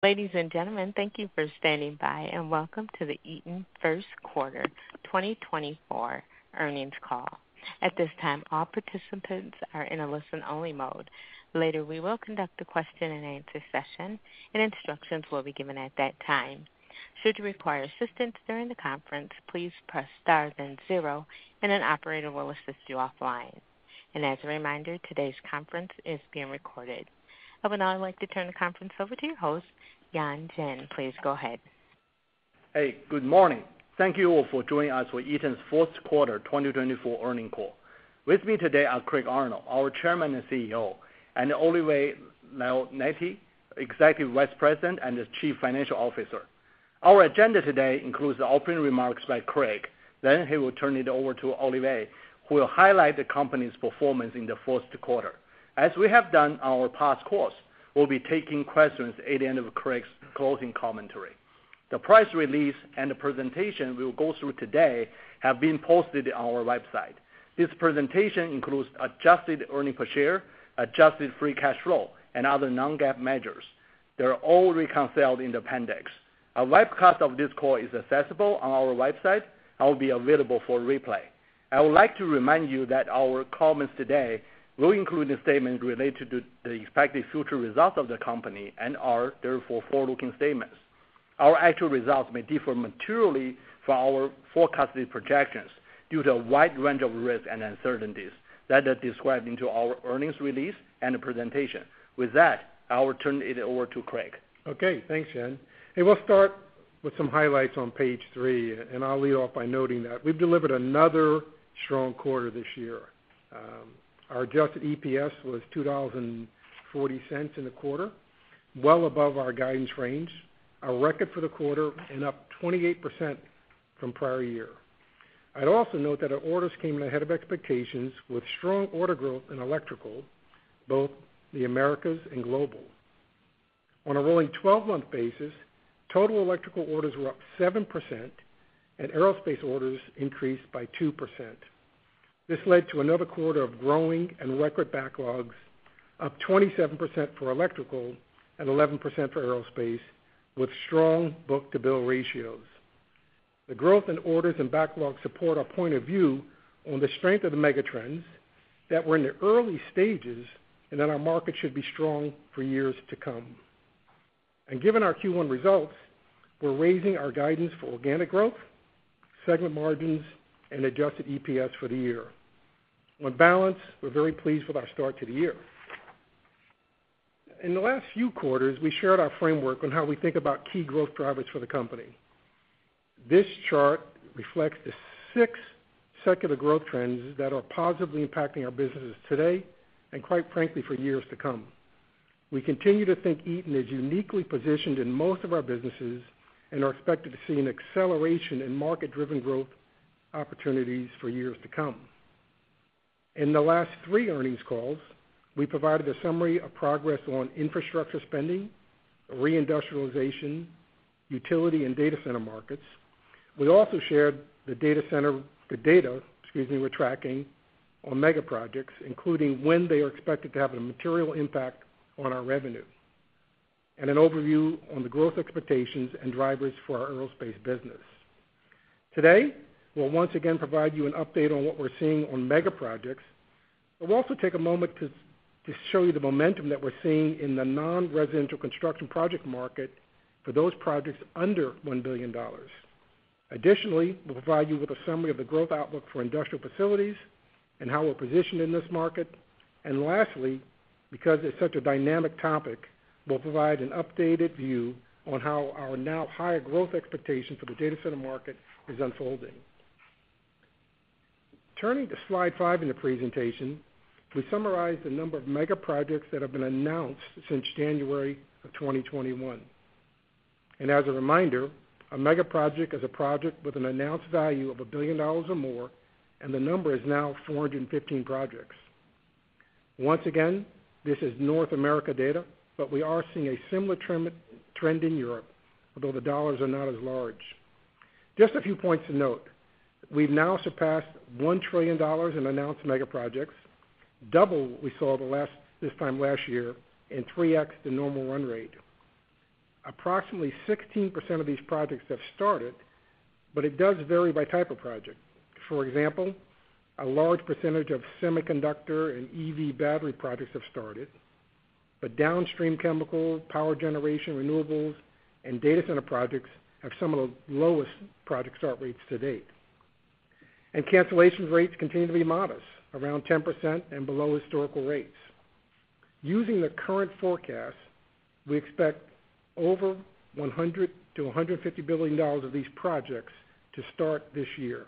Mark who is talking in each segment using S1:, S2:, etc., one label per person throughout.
S1: Ladies and gentlemen, thank you for standing by, and welcome to the Eaton First Quarter 2024 Earnings Call. At this time, all participants are in a listen-only mode. Later, we will conduct a question-and-answer session, and instructions will be given at that time. Should you require assistance during the conference, please press star then zero, and an operator will assist you offline. As a reminder, today's conference is being recorded. I would now like to turn the conference over to your host, Yan Jin. Please go ahead.
S2: Hey, good morning. Thank you all for joining us for Eaton's fourth quarter 2024 earnings call. With me today are Craig Arnold, our Chairman and CEO, and Olivier Leonetti, Executive Vice President and Chief Financial Officer. Our agenda today includes the opening remarks by Craig, then he will turn it over to Olivier, who will highlight the company's performance in the fourth quarter. As we have done on our past calls, we'll be taking questions at the end of Craig's closing commentary. The press release and the presentation we'll go through today have been posted on our website. This presentation includes adjusted earnings per share, adjusted free cash flow, and other non-GAAP measures. They're all reconciled in the appendix. A webcast of this call is accessible on our website and will be available for replay. I would like to remind you that our comments today will include a statement related to the expected future results of the company and are therefore forward-looking statements. Our actual results may differ materially from our forecasted projections due to a wide range of risks and uncertainties that are described in our earnings release and the presentation. With that, I will turn it over to Craig.
S3: Okay, thanks, Yan. Hey, we'll start with some highlights on page 3, and I'll lead off by noting that we've delivered another strong quarter this year. Our adjusted EPS was $2.40 in the quarter, well above our guidance range, a record for the quarter, and up 28% from prior year. I'd also note that our orders came in ahead of expectations, with strong order growth in electrical, both the Americas and global. On a rolling 12-month basis, total electrical orders were up 7%, and aerospace orders increased by 2%. This led to another quarter of growing and record backlogs, up 27% for electrical and 11% for aerospace, with strong book-to-bill ratios. The growth in orders and backlogs support our point of view on the strength of the megatrends, that we're in the early stages, and that our market should be strong for years to come. Given our Q1 results, we're raising our guidance for organic growth, segment margins, and adjusted EPS for the year. On balance, we're very pleased with our start to the year. In the last few quarters, we shared our framework on how we think about key growth drivers for the company. This chart reflects the six circular growth trends that are positively impacting our businesses today, and quite frankly, for years to come. We continue to think Eaton is uniquely positioned in most of our businesses and are expected to see an acceleration in market-driven growth opportunities for years to come. In the last three earnings calls, we provided a summary of progress on infrastructure spending, reindustrialization, utility, and data center markets. We also shared the data center, the data, excuse me, we're tracking on mega projects, including when they are expected to have a material impact on our revenue, and an overview on the growth expectations and drivers for our aerospace business. Today, we'll once again provide you an update on what we're seeing on mega projects. We'll also take a moment to show you the momentum that we're seeing in the non-residential construction project market for those projects under $1 billion. Additionally, we'll provide you with a summary of the growth outlook for industrial facilities and how we're positioned in this market. And lastly, because it's such a dynamic topic, we'll provide an updated view on how our now higher growth expectation for the data center market is unfolding. Turning to slide 5 in the presentation, we summarize the number of mega projects that have been announced since January of 2021. And as a reminder, a mega project is a project with an announced value of $1 billion or more, and the number is now 415 projects. Once again, this is North America data, but we are seeing a similar trend in Europe, although the dollars are not as large. Just a few points to note: we've now surpassed $1 trillion in announced mega projects, double what we saw this time last year, and 3x the normal run rate. Approximately 16% of these projects have started, but it does vary by type of project. For example, a large percentage of semiconductor and EV battery projects have started, but downstream chemical, power generation, renewables, and data center projects have some of the lowest project start rates to date. And cancellation rates continue to be modest, around 10% and below historical rates. Using the current forecast, we expect over $100 billion-$150 billion of these projects to start this year.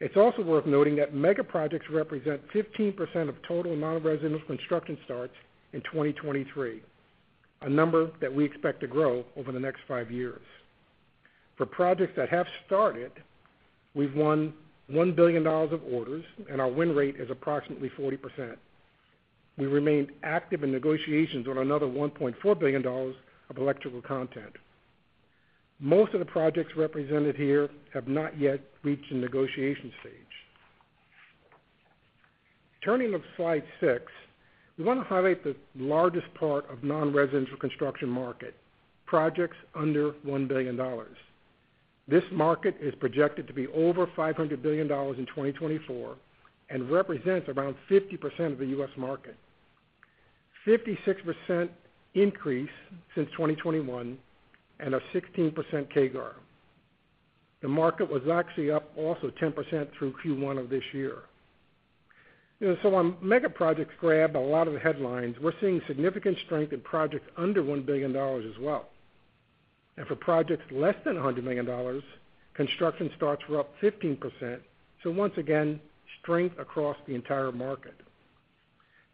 S3: It's also worth noting that mega projects represent 15% of total non-residential construction starts in 2023, a number that we expect to grow over the next 5 years. For projects that have started, we've won $1 billion of orders, and our win rate is approximately 40%. We remained active in negotiations on another $1.4 billion of electrical content. Most of the projects represented here have not yet reached a negotiation stage.... Turning to slide 6, we want to highlight the largest part of non-residential construction market, projects under $1 billion. This market is projected to be over $500 billion in 2024, and represents around 50% of the US market. 56% increase since 2021, and a 16% CAGR. The market was actually up also 10% through Q1 of this year. You know, so while mega projects grab a lot of the headlines, we're seeing significant strength in projects under $1 billion as well. And for projects less than $100 million, construction starts were up 15%, so once again, strength across the entire market.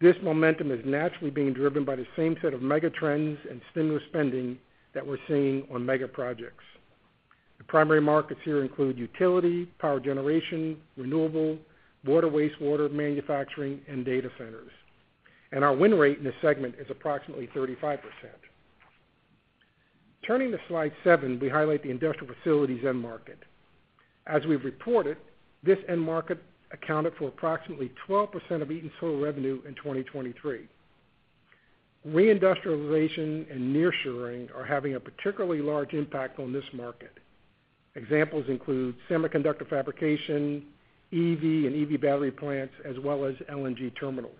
S3: This momentum is naturally being driven by the same set of mega trends and stimulus spending that we're seeing on mega projects. The primary markets here include utility, power generation, renewable, water, wastewater, manufacturing, and data centers. Our win rate in this segment is approximately 35%. Turning to slide 7, we highlight the industrial facilities end market. As we've reported, this end market accounted for approximately 12% of Eaton's total revenue in 2023. Reindustrialization and nearshoring are having a particularly large impact on this market. Examples include semiconductor fabrication, EV and EV battery plants, as well as LNG terminals.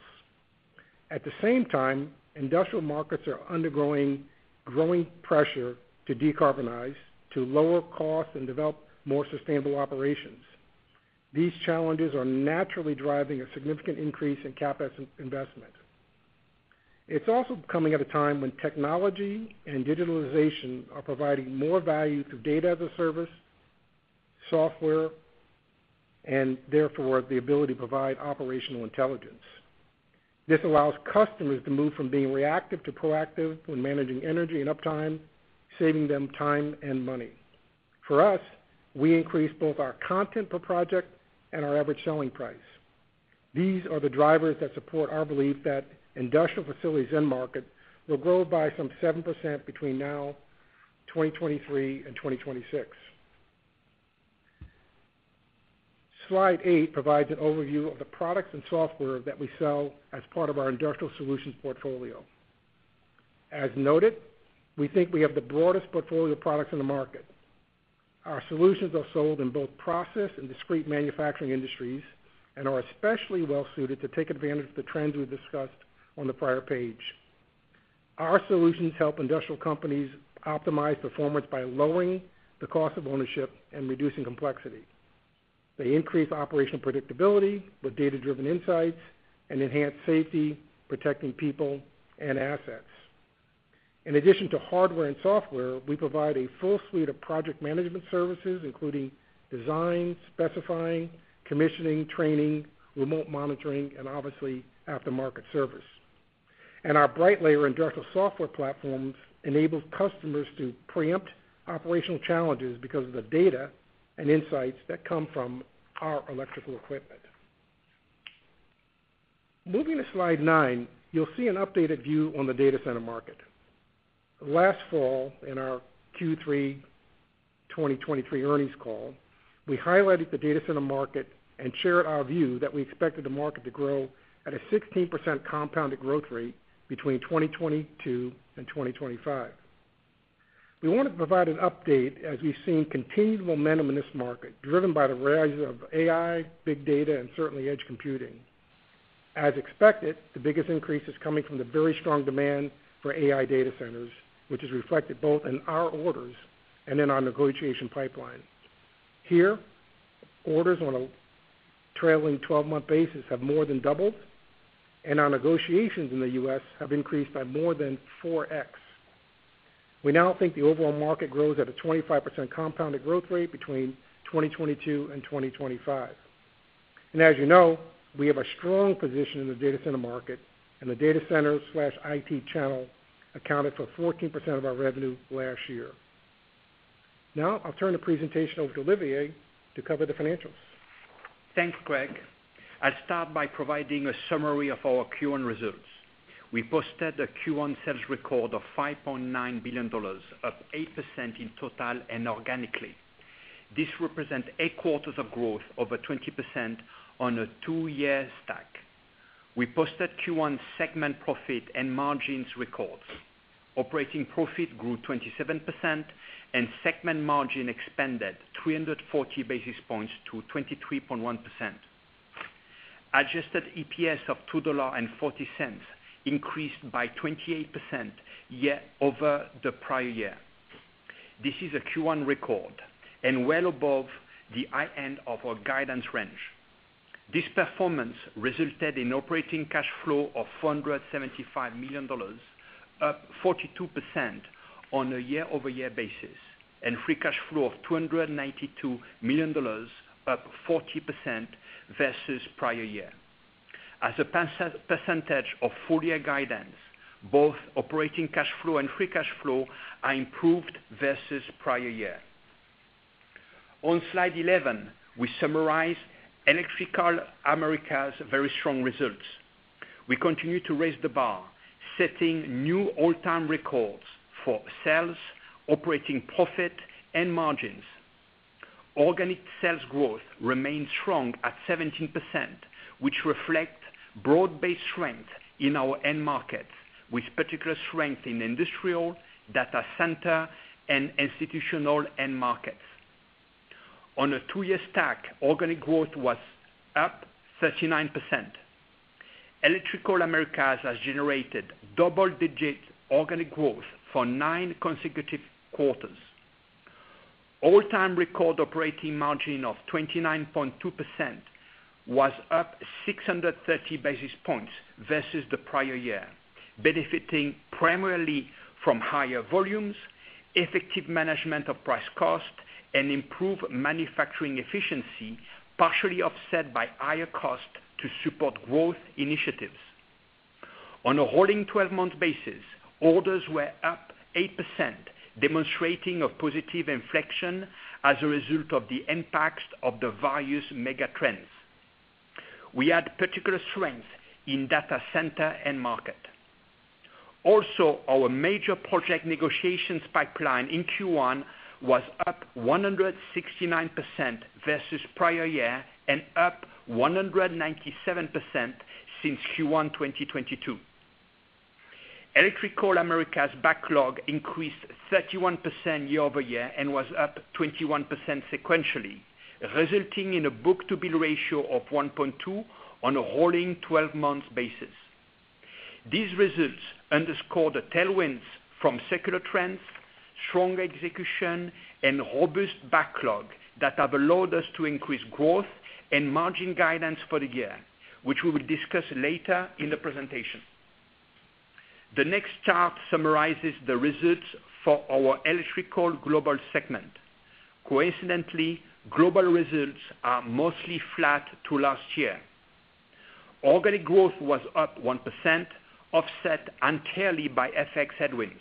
S3: At the same time, industrial markets are undergoing growing pressure to decarbonize, to lower costs, and develop more sustainable operations. These challenges are naturally driving a significant increase in CapEx investment. It's also coming at a time when technology and digitalization are providing more value through data as a service, software, and therefore, the ability to provide operational intelligence. This allows customers to move from being reactive to proactive when managing energy and uptime, saving them time and money. For us, we increase both our content per project and our average selling price. These are the drivers that support our belief that industrial facilities end market will grow by some 7% between now, 2023 and 2026. Slide 8 provides an overview of the products and software that we sell as part of our industrial solutions portfolio. As noted, we think we have the broadest portfolio of products in the market. Our solutions are sold in both process and discrete manufacturing industries, and are especially well suited to take advantage of the trends we discussed on the prior page. Our solutions help industrial companies optimize performance by lowering the cost of ownership and reducing complexity. They increase operational predictability with data-driven insights and enhance safety, protecting people and assets. In addition to hardware and software, we provide a full suite of project management services, including design, specifying, commissioning, training, remote monitoring, and obviously, aftermarket service. Our Brightlayer industrial software platforms enables customers to preempt operational challenges because of the data and insights that come from our electrical equipment. Moving to slide 9, you'll see an updated view on the data center market. Last fall, in our Q3 2023 earnings call, we highlighted the data center market and shared our view that we expected the market to grow at a 16% compounded growth rate between 2022 and 2025. We wanted to provide an update as we've seen continued momentum in this market, driven by the rise of AI, big data, and certainly edge computing. As expected, the biggest increase is coming from the very strong demand for AI data centers, which is reflected both in our orders and in our negotiation pipeline. Here, orders on a trailing twelve-month basis have more than doubled, and our negotiations in the U.S. have increased by more than 4x. We now think the overall market grows at a 25% compounded growth rate between 2022 and 2025. And as you know, we have a strong position in the data center market, and the data center/IT channel accounted for 14% of our revenue last year. Now, I'll turn the presentation over to Olivier to cover the financials.
S4: Thanks, Craig. I'll start by providing a summary of our Q1 results. We posted a Q1 sales record of $5.9 billion, up 8% in total and organically. This represents 8 quarters of growth, over 20% on a 2-year stack. We posted Q1 segment profit and margins records. Operating profit grew 27%, and segment margin expanded 340 basis points to 23.1%. Adjusted EPS of $2.40 increased by 28% year-over-year. This is a Q1 record and well above the high end of our guidance range. This performance resulted in operating cash flow of $475 million, up 42% on a year-over-year basis, and free cash flow of $292 million, up 40% versus prior year. As a percentage of full-year guidance, both operating cash flow and free cash flow are improved versus prior year. On slide 11, we summarize Electrical Americas' very strong results. We continue to raise the bar, setting new all-time records for sales, operating profit, and margins. Organic sales growth remained strong at 17%, which reflect broad-based strength in our end markets, with particular strength in industrial, data center, and institutional end markets. On a two-year stack, organic growth was up 39%. Electrical Americas has generated double-digit organic growth for nine consecutive quarters. All-time record operating margin of 29.2% was up 630 basis points versus the prior year, benefiting primarily from higher volumes, effective management of price cost, and improved manufacturing efficiency, partially offset by higher costs to support growth initiatives. On a rolling twelve-month basis, orders were up 8%, demonstrating a positive inflection as a result of the impacts of the various mega trends. We had particular strength in data center end market. Also, our major project negotiations pipeline in Q1 was up 169% versus prior year, and up 197% since Q1 2022. Electrical Americas backlog increased 31% year-over-year and was up 21% sequentially, resulting in a book-to-bill ratio of 1.2 on a rolling twelve-month basis. These results underscore the tailwinds from secular trends, strong execution, and robust backlog that have allowed us to increase growth and margin guidance for the year, which we will discuss later in the presentation. The next chart summarizes the results for our Electrical Global segment. Coincidentally, global results are mostly flat to last year. Organic growth was up 1%, offset entirely by FX headwinds.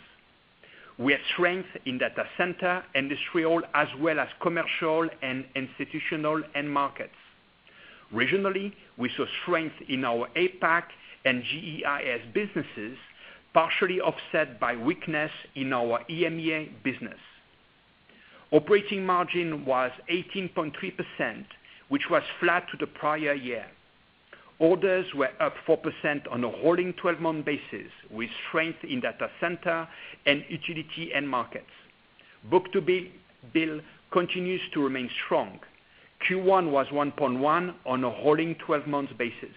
S4: We have strength in data center, industrial, as well as commercial and institutional end markets. Regionally, we saw strength in our APAC and GEIS businesses, partially offset by weakness in our EMEA business. Operating margin was 18.3%, which was flat to the prior year. Orders were up 4% on a rolling 12-month basis, with strength in data center and utility end markets. Book-to-bill continues to remain strong. Q1 was 1.1 on a rolling 12-month basis.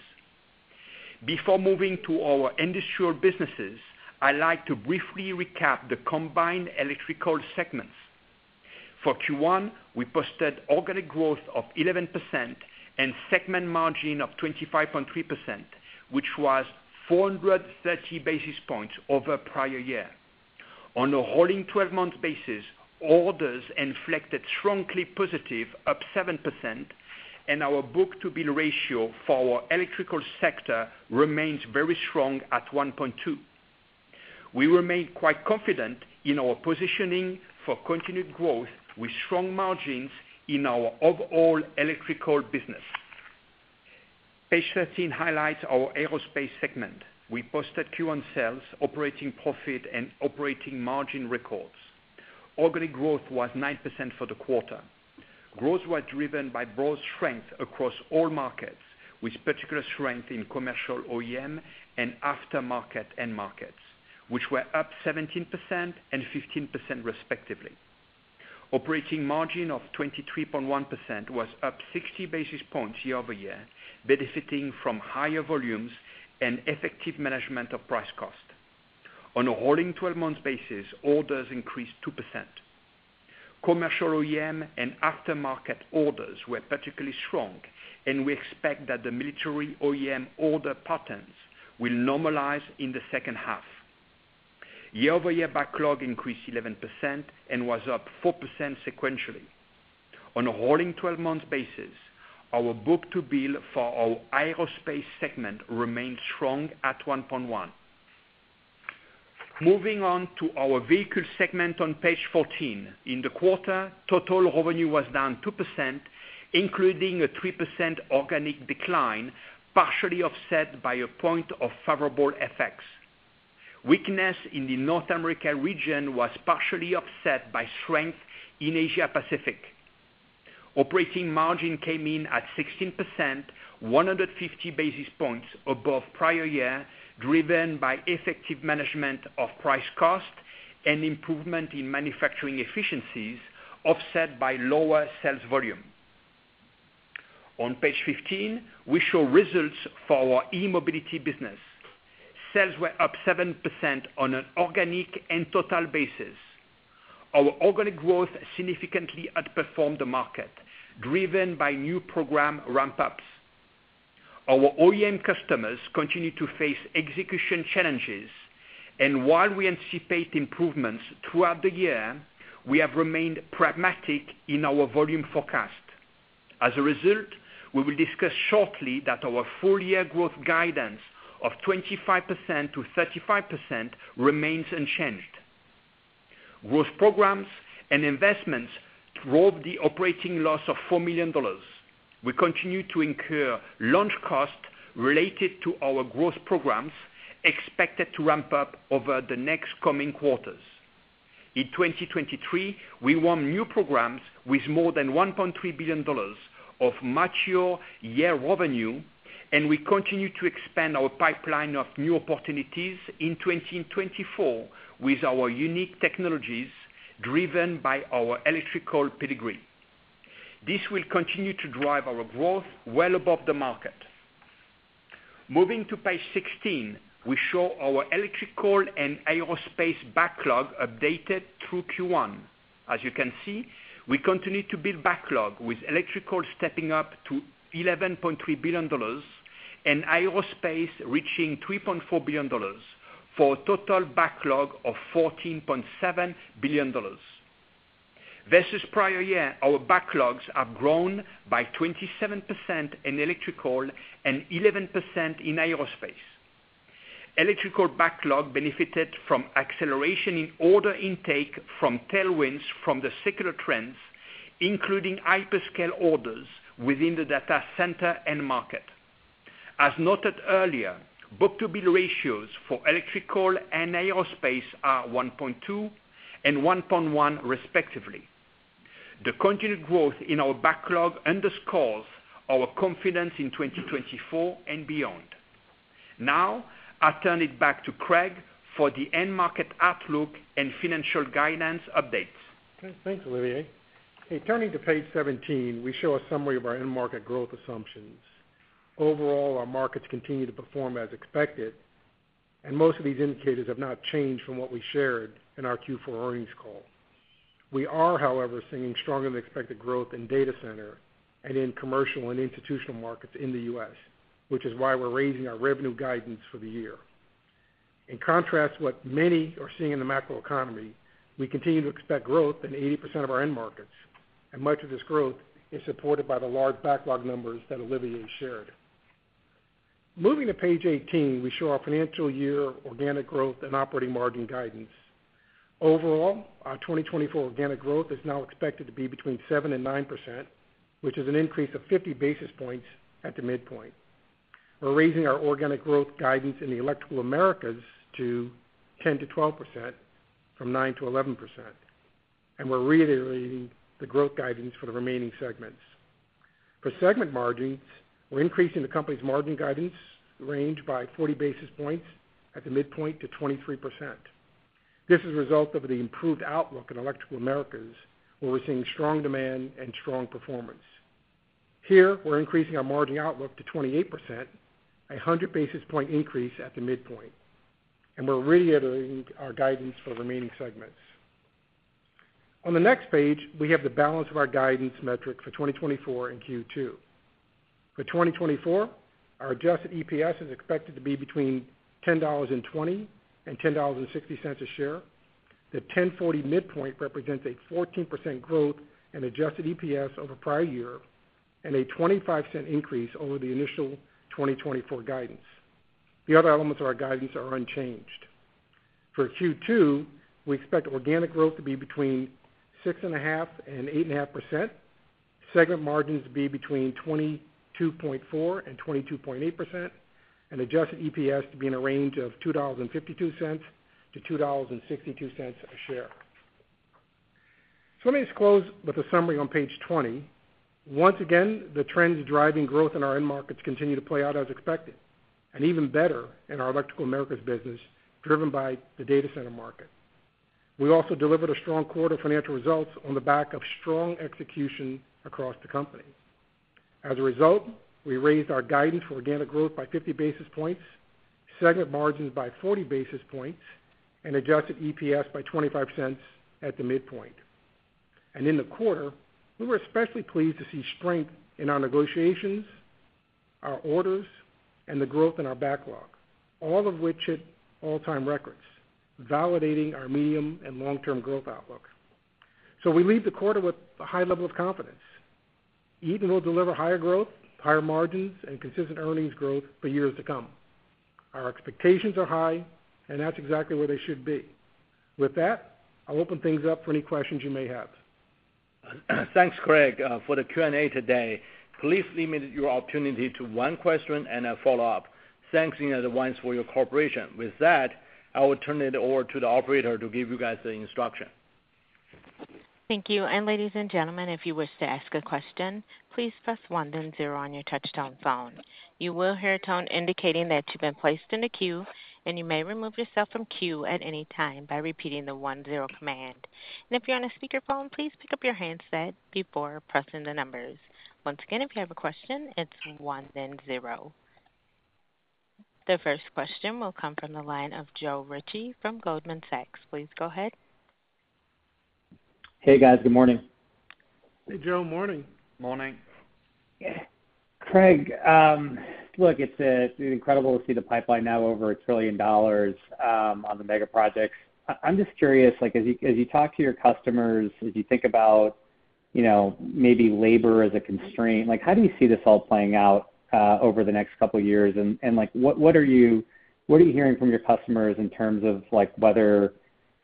S4: Before moving to our industrial businesses, I'd like to briefly recap the combined electrical segments. For Q1, we posted organic growth of 11% and segment margin of 25.3%, which was 430 basis points over prior year. On a rolling twelve-month basis, orders inflected strongly positive, up 7%, and our book-to-bill ratio for our electrical sector remains very strong at 1.2. We remain quite confident in our positioning for continued growth with strong margins in our overall electrical business. Page 13 highlights our Aerospace segment. We posted Q1 sales, operating profit, and operating margin records. Organic growth was 9% for the quarter. Growth was driven by broad strength across all markets, with particular strength in commercial OEM and aftermarket end markets, which were up 17% and 15% respectively. Operating margin of 23.1% was up 60 basis points year-over-year, benefiting from higher volumes and effective management of price cost. On a rolling twelve-month basis, orders increased 2%. Commercial OEM and aftermarket orders were particularly strong, and we expect that the military OEM order patterns will normalize in the second half. Year-over-year backlog increased 11% and was up 4% sequentially. On a rolling twelve-month basis, our book-to-bill for our Aerospace segment remained strong at 1.1. Moving on to our Vehicle segment on page 14. In the quarter, total revenue was down 2%, including a 3% organic decline, partially offset by 1% favorable FX. Weakness in the North America region was partially offset by strength in Asia Pacific. Operating margin came in at 16%, 150 basis points above prior year, driven by effective management of price cost and improvement in manufacturing efficiencies, offset by lower sales volume. On page 15, we show results for our e-mobility business. Sales were up 7% on an organic and total basis. Our organic growth significantly outperformed the market, driven by new program ramp-ups. Our OEM customers continue to face execution challenges, and while we anticipate improvements throughout the year, we have remained pragmatic in our volume forecast. As a result, we will discuss shortly that our full-year growth guidance of 25%-35% remains unchanged. Growth programs and investments drove the operating loss of $4 million. We continue to incur launch costs related to our growth programs, expected to ramp up over the next coming quarters. In 2023, we won new programs with more than $1.3 billion of mature year revenue, and we continue to expand our pipeline of new opportunities in 2024 with our unique technologies, driven by our electrical pedigree. This will continue to drive our growth well above the market. Moving to page 16, we show our electrical and aerospace backlog updated through Q1. As you can see, we continue to build backlog, with electrical stepping up to $11.3 billion and aerospace reaching $3.4 billion, for a total backlog of $14.7 billion. Versus prior year, our backlogs have grown by 27% in electrical and 11% in aerospace. Electrical backlog benefited from acceleration in order intake from tailwinds from the secular trends, including hyperscale orders within the data center end market. As noted earlier, book-to-bill ratios for electrical and aerospace are 1.2 and 1.1, respectively. The continued growth in our backlog underscores our confidence in 2024 and beyond. Now, I'll turn it back to Craig for the end market outlook and financial guidance updates.
S3: Okay, thanks, Olivier. Okay, turning to page 17, we show a summary of our end market growth assumptions. Overall, our markets continue to perform as expected, and most of these indicators have not changed from what we shared in our Q4 earnings call. We are, however, seeing stronger-than-expected growth in data center and in commercial and institutional markets in the U.S., which is why we're raising our revenue guidance for the year. In contrast to what many are seeing in the macroeconomy, we continue to expect growth in 80% of our end markets, and much of this growth is supported by the large backlog numbers that Olivier shared. Moving to page 18, we show our financial year organic growth and operating margin guidance. Overall, our 2024 organic growth is now expected to be between 7% and 9%, which is an increase of 50 basis points at the midpoint. We're raising our organic growth guidance in the Electrical Americas to 10%-12% from 9%-11%, and we're reiterating the growth guidance for the remaining segments. For segment margins, we're increasing the company's margin guidance range by 40 basis points at the midpoint to 23%. This is a result of the improved outlook in Electrical Americas, where we're seeing strong demand and strong performance. Here, we're increasing our margin outlook to 28%, a 100 basis point increase at the midpoint, and we're reiterating our guidance for the remaining segments. On the next page, we have the balance of our guidance metric for 2024 and Q2. For 2024, our adjusted EPS is expected to be between $10.20 and $10.60 a share. The $10.40 midpoint represents a 14% growth in adjusted EPS over prior year and a $0.25 increase over the initial 2024 guidance. The other elements of our guidance are unchanged. For Q2, we expect organic growth to be between 6.5% and 8.5%, segment margins to be between 22.4% and 22.8%, and adjusted EPS to be in a range of $2.52-$2.62 a share. So let me just close with a summary on page 20. Once again, the trends driving growth in our end markets continue to play out as expected, and even better in our Electrical Americas business, driven by the data center market. We also delivered a strong quarter financial results on the back of strong execution across the company. As a result, we raised our guidance for organic growth by 50 basis points, segment margins by 40 basis points, and adjusted EPS by $0.25 at the midpoint. In the quarter, we were especially pleased to see strength in our negotiations, our orders, and the growth in our backlog, all of which hit all-time records, validating our medium and long-term growth outlook. We leave the quarter with a high level of confidence. Eaton will deliver higher growth, higher margins, and consistent earnings growth for years to come. Our expectations are high, and that's exactly where they should be. With that, I'll open things up for any questions you may have.
S4: Thanks, Craig. For the Q&A today, please limit your opportunity to one question and a follow-up. Thanks in advance for your cooperation. With that, I will turn it over to the operator to give you guys the instruction.
S1: Thank you. Ladies and gentlemen, if you wish to ask a question, please press one then zero on your touchtone phone. You will hear a tone indicating that you've been placed in a queue, and you may remove yourself from queue at any time by repeating the one-zero command. If you're on a speakerphone, please pick up your handset before pressing the numbers. Once again, if you have a question, it's one then zero. The first question will come from the line of Joe Ritchie from Goldman Sachs. Please go ahead.
S5: Hey, guys. Good morning.
S3: Hey, Joe. Morning.
S4: Morning.
S5: Craig, look, it's incredible to see the pipeline now over $1 trillion on the mega projects. I'm just curious, like, as you, as you talk to your customers, as you think about, you know, maybe labor as a constraint, like, how do you see this all playing out over the next couple of years? And like, what are you hearing from your customers in terms of like whether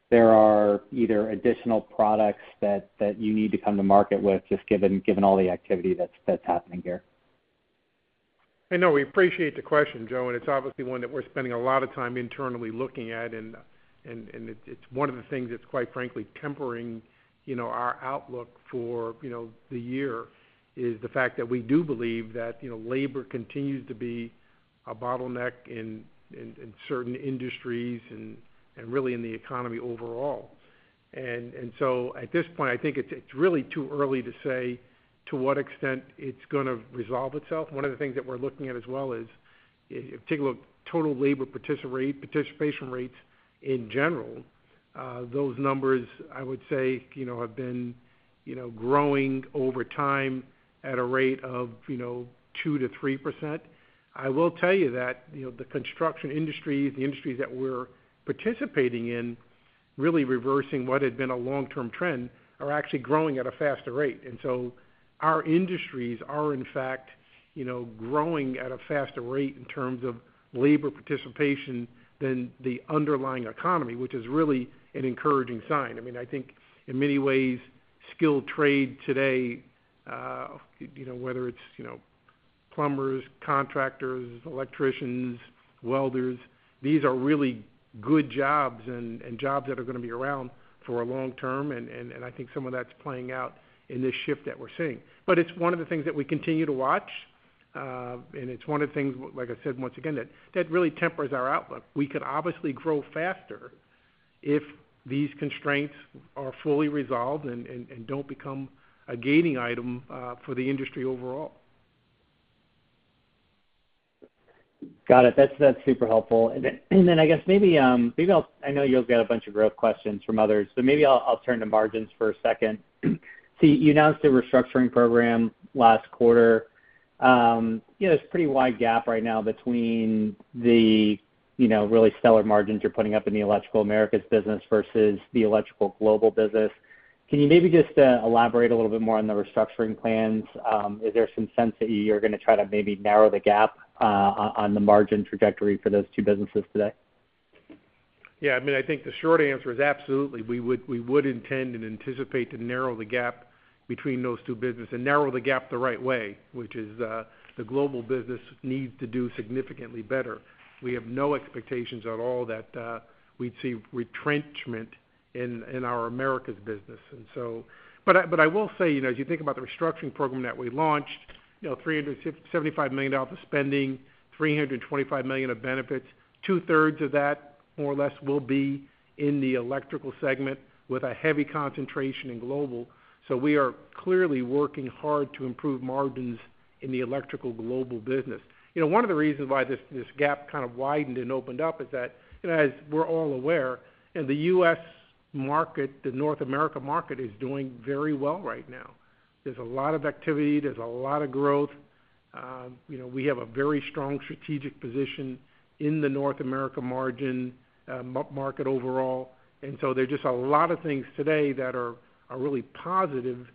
S5: there are either additional products that you need to come to market with, just given all the activity that's happening here?
S3: I know we appreciate the question, Joe, and it's obviously one that we're spending a lot of time internally looking at, and it's one of the things that's, quite frankly, tempering, you know, our outlook for, you know, the year, is the fact that we do believe that, you know, labor continues to be a bottleneck in certain industries and really in the economy overall. So at this point, I think it's really too early to say to what extent it's gonna resolve itself. One of the things that we're looking at as well is, if you take a look, total labor participation rates in general, those numbers, I would say, you know, have been, you know, growing over time at a rate of, you know, 2%-3%. I will tell you that, you know, the construction industry, the industries that we're participating in, really reversing what had been a long-term trend, are actually growing at a faster rate. And so our industries are, in fact, you know, growing at a faster rate in terms of labor participation than the underlying economy, which is really an encouraging sign. I mean, I think in many ways, skilled trade today, you know, whether it's, you know, plumbers, contractors, electricians, welders, these are really good jobs and I think some of that's playing out in this shift that we're seeing. But it's one of the things that we continue to watch, and it's one of the things, like I said, once again, that really tempers our outlook. We could obviously grow faster if these constraints are fully resolved and don't become a gaining item for the industry overall.
S5: Got it. That's, that's super helpful. And then, and then I guess maybe, maybe I'll... I know you'll get a bunch of growth questions from others, so maybe I'll, I'll turn to margins for a second. So you announced a restructuring program last quarter. You know, there's a pretty wide gap right now between the, you know, really stellar margins you're putting up in the Electrical Americas business versus the Electrical Global business. Can you maybe just elaborate a little bit more on the restructuring plans? Is there some sense that you're gonna try to maybe narrow the gap on the margin trajectory for those two businesses today?
S3: Yeah, I mean, I think the short answer is absolutely. We would, we would intend and anticipate to narrow the gap between those two businesses and narrow the gap the right way, which is, the global business needs to do significantly better. We have no expectations at all that we'd see retrenchment in our Americas business. And so... But I will say, you know, as you think about the restructuring program that we launched, you know, $375 million of spending, $325 million of benefits, two-thirds of that, more or less, will be in the electrical segment with a heavy concentration in global. So we are clearly working hard to improve margins in the electrical global business. You know, one of the reasons why this gap kind of widened and opened up is that, you know, as we're all aware, in the US market, the North America market is doing very well right now. There's a lot of activity, there's a lot of growth. You know, we have a very strong strategic position in the North America market overall. And so there are just a lot of things today that are really positive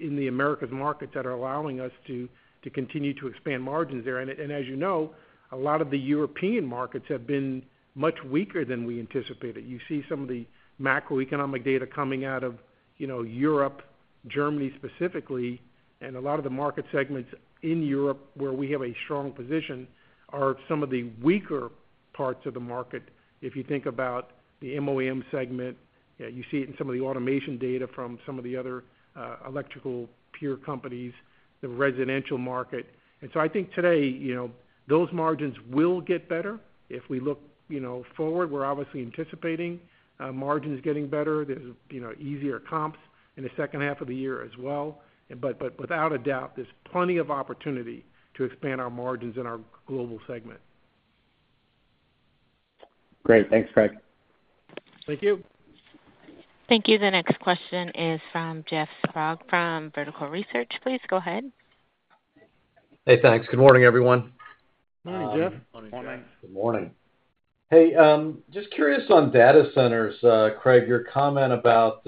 S3: in the Americas market that are allowing us to continue to expand margins there. And as you know, a lot of the European markets have been much weaker than we anticipated. You see some of the macroeconomic data coming out of, you know, Europe, Germany specifically, and a lot of the market segments in Europe where we have a strong position are some of the weaker parts of the market. If you think about the MOEM segment, you see it in some of the automation data from some of the other electrical peer companies, the residential market. And so I think today, you know, those margins will get better. If we look, you know, forward, we're obviously anticipating margins getting better. There's, you know, easier comps in the second half of the year as well. But without a doubt, there's plenty of opportunity to expand our margins in our global segment.
S5: Great. Thanks, Craig.
S3: Thank you.
S1: Thank you. The next question is from Jeff Sprague from Vertical Research. Please go ahead.
S6: Hey, thanks. Good morning, everyone.
S3: Morning, Jeff.
S5: Morning.
S2: Good morning.
S6: Hey, just curious on data centers, Craig, your comment about,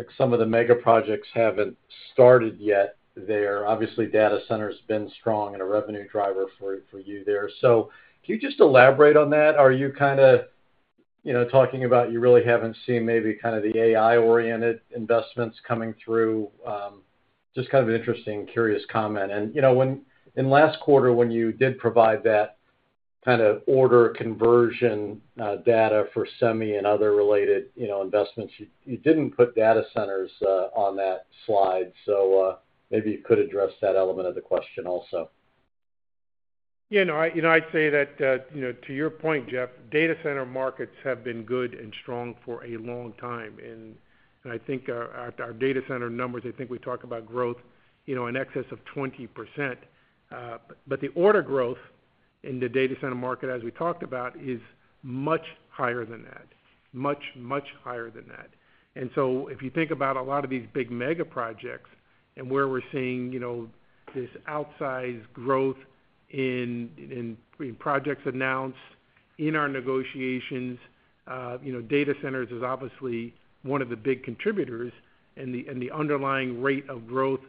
S6: like, some of the mega projects haven't started yet. They are obviously, data center's been strong and a revenue driver for, for you there. So can you just elaborate on that? Are you kinda, you know, talking about you really haven't seen maybe kind of the AI-oriented investments coming through? Just kind of an interesting, curious comment. And, you know, in last quarter, when you did provide that kind of order conversion data for semi and other related, you know, investments, you, you didn't put data centers on that slide. So, maybe you could address that element of the question also.
S3: Yeah, no, you know, I'd say that, you know, to your point, Jeff, data center markets have been good and strong for a long time. And I think, our data center numbers, I think we talk about growth, you know, in excess of 20%. But the order growth in the data center market, as we talked about, is much higher than that. Much, much higher than that. And so if you think about a lot of these big mega projects and where we're seeing, you know, this outsized growth in projects announced in our negotiations, you know, data centers is obviously one of the big contributors, and the underlying rate of growth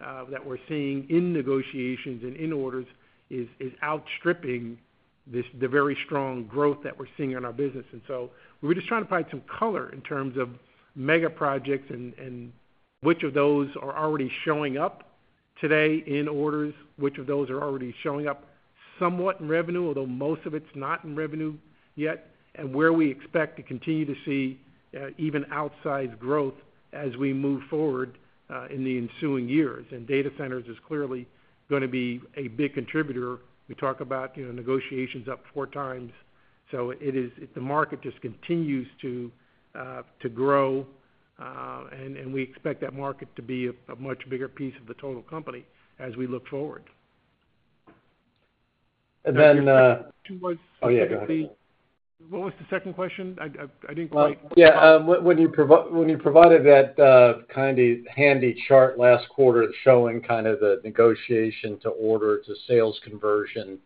S3: that we're seeing in negotiations and orders is outstripping this, the very strong growth that we're seeing in our business. And so we were just trying to provide some color in terms of mega projects and which of those are already showing up today in orders, which of those are already showing up somewhat in revenue, although most of it's not in revenue yet, and where we expect to continue to see even outsized growth as we move forward in the ensuing years. And data centers is clearly gonna be a big contributor. We talk about, you know, negotiations up four times. So it is the market just continues to grow, and we expect that market to be a much bigger piece of the total company as we look forward.
S6: And then,
S3: Towards-
S6: Oh, yeah, go ahead.
S3: What was the second question? I didn't quite-
S6: Yeah, when you provided that handy chart last quarter showing kind of the negotiation to order to sales conversion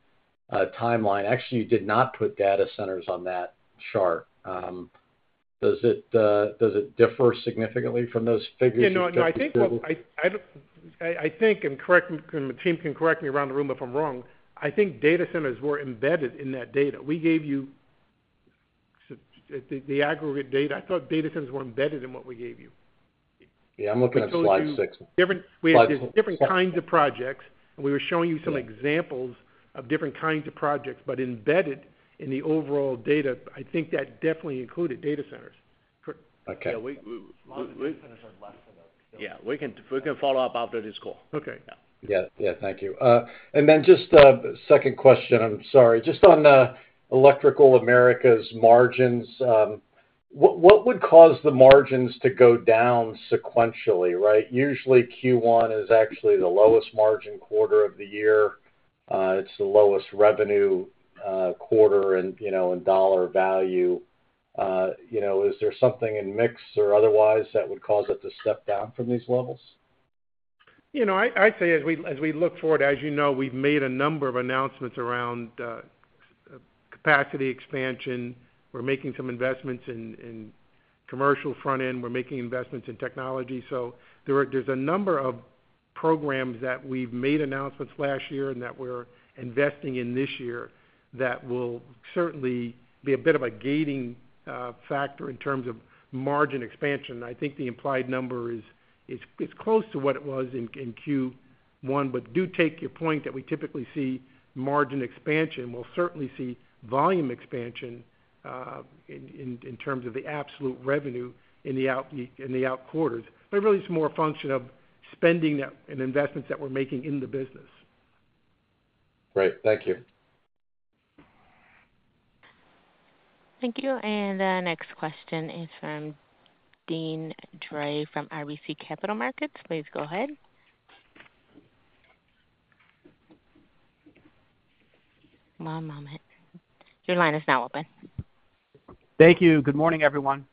S6: timeline, actually, you did not put data centers on that chart. Does it differ significantly from those figures?
S3: You know, I think, and correct me, and the team can correct me around the room if I'm wrong, I think data centers were embedded in that data. We gave you the, the aggregate data. I thought data centers were embedded in what we gave you.
S6: Yeah, I'm looking at slide six.
S3: Different-
S6: Slide-
S3: We have different kinds of projects, and we were showing you some examples-
S6: Yeah...
S3: of different kinds of projects, but embedded in the overall data, I think that definitely included data centers.
S6: Okay.
S3: Yeah, we...
S6: Data centers are less than that.
S2: Yeah, we can, we can follow up after this call.
S3: Okay.
S2: Yeah.
S6: Yeah, yeah. Thank you. And then just a second question, I'm sorry. Just on Electrical Americas margins, what would cause the margins to go down sequentially, right? Usually, Q1 is actually the lowest margin quarter of the year. It's the lowest revenue quarter, and, you know, in dollar value. You know, is there something in mix or otherwise that would cause it to step down from these levels?
S3: You know, I'd say, as we look forward, as you know, we've made a number of announcements around capacity expansion. We're making some investments in commercial front end. We're making investments in technology. So there's a number of programs that we've made announcements last year and that we're investing in this year, that will certainly be a bit of a gating factor in terms of margin expansion. I think the implied number is, it's close to what it was in Q1, but do take your point that we typically see margin expansion. We'll certainly see volume expansion in terms of the absolute revenue in the out quarters. But really, it's more a function of spending and investments that we're making in the business.
S6: Great. Thank you.
S1: Thank you. The next question is from Dean Dray from RBC Capital Markets. Please go ahead. One moment. Your line is now open.
S7: Thank you. Good morning, everyone.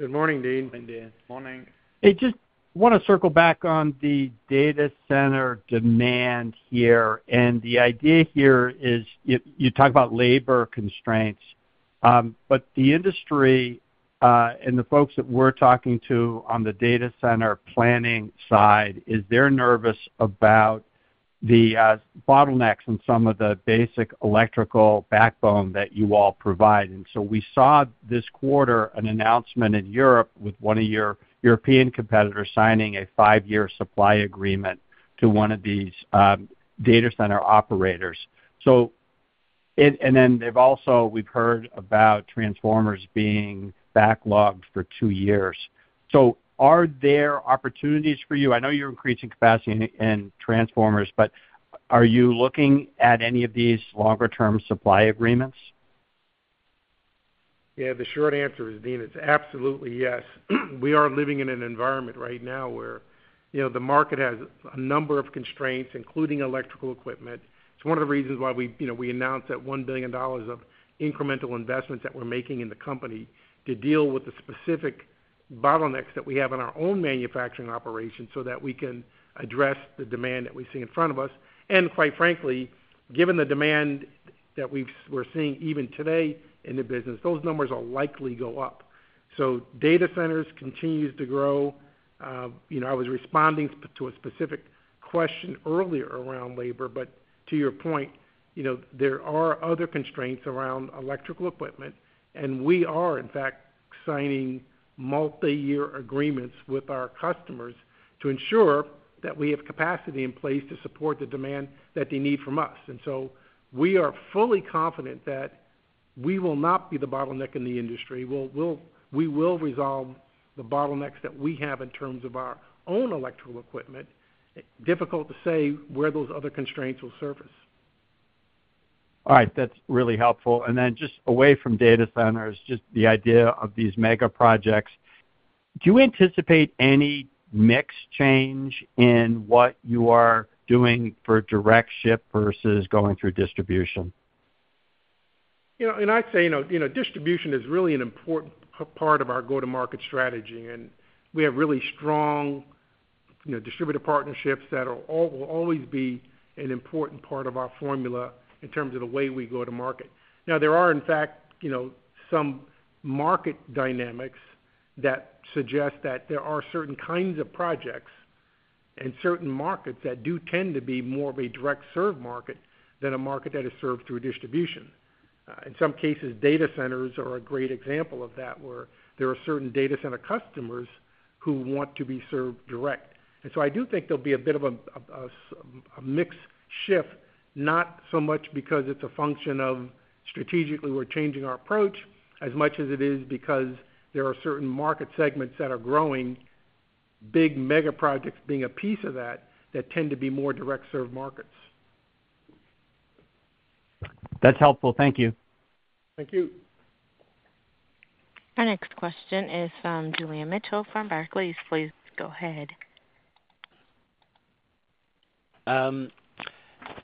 S3: Good morning, Dean.
S2: Good morning.
S7: Morning. I just wanna circle back on the data center demand here. And the idea here is you talk about labor constraints, but the industry and the folks that we're talking to on the data center planning side is they're nervous about the bottlenecks and some of the basic electrical backbone that you all provide. And so we saw this quarter an announcement in Europe with one of your European competitors signing a 5-year supply agreement to one of these data center operators. And then they've also, we've heard about transformers being backlogged for 2 years. So are there opportunities for you? I know you're increasing capacity and transformers, but are you looking at any of these longer-term supply agreements?
S3: Yeah, the short answer is, Dean, it's absolutely, yes. We are living in an environment right now where, you know, the market has a number of constraints, including electrical equipment. It's one of the reasons why we, you know, we announced that $1 billion of incremental investments that we're making in the company to deal with the specific bottlenecks that we have in our own manufacturing operation, so that we can address the demand that we see in front of us. And quite frankly, given the demand that we've-- we're seeing even today in the business, those numbers will likely go up. So data centers continues to grow. You know, I was responding to a specific question earlier around labor, but to your point, you know, there are other constraints around electrical equipment, and we are, in fact, signing multiyear agreements with our customers to ensure that we have capacity in place to support the demand that they need from us. And so we are fully confident that we will not be the bottleneck in the industry. We will resolve the bottlenecks that we have in terms of our own electrical equipment. Difficult to say where those other constraints will surface.
S7: All right. That's really helpful. And then just away from data centers, just the idea of these mega projects, do you anticipate any mix change in what you are doing for direct ship versus going through distribution?
S3: You know, and I'd say, you know, you know, distribution is really an important part of our go-to-market strategy, and we have really strong, you know, distributor partnerships that will always be an important part of our formula in terms of the way we go to market. Now, there are, in fact, you know, some market dynamics that suggest that there are certain kinds of projects and certain markets that do tend to be more of a direct serve market than a market that is served through a distribution. In some cases, data centers are a great example of that, where there are certain data center customers who want to be served direct. I do think there'll be a bit of a mix shift, not so much because it's a function of strategically we're changing our approach, as much as it is because there are certain market segments that are growing, big mega projects being a piece of that, that tend to be more direct serve markets.
S7: That's helpful. Thank you.
S3: Thank you.
S1: Our next question is from Julian Mitchell from Barclays. Please go ahead.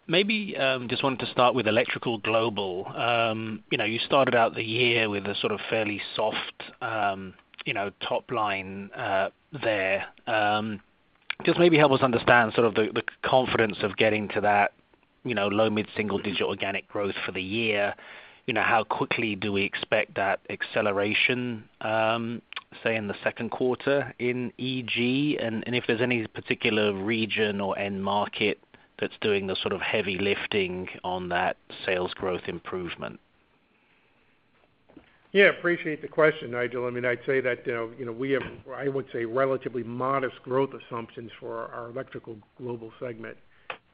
S8: Maybe just wanted to start with Electrical Global. You know, you started out the year with a sort of fairly soft, you know, top line there. Just maybe help us understand sort of the confidence of getting to that, you know, low, mid-single digit organic growth for the year. You know, how quickly do we expect that acceleration, say, in the second quarter in EG, and if there's any particular region or end market that's doing the sort of heavy lifting on that sales growth improvement?
S3: Yeah, appreciate the question, Nigel. I mean, I'd say that, you know, we have, I would say, relatively modest growth assumptions for our Electrical Global segment.